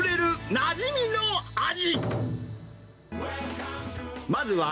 なじみの味。